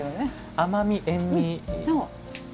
甘み、塩み。